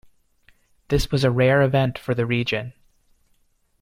This was a rare event for the region.